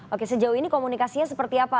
oke sejauh ini komunikasinya seperti apa